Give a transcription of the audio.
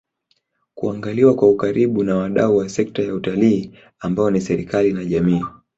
kuangaliwa kwa ukaribu na wadau wa sekta ya Utalii ambao ni serikali na jamii